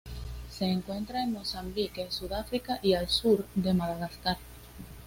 Se encuentra en Mozambique, Sudáfrica y al sur de Madagascar.